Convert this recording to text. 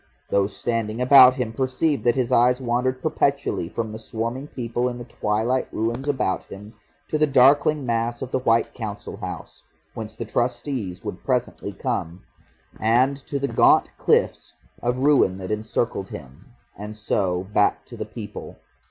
Those standing about him perceived that his eyes wandered perpetually from the swarming people in the twilight ruins about him to the darkling mass of the White Council House, whence the Trustees would presently come, and to the gaunt cliffs of ruin that encircled him, and so back to the people.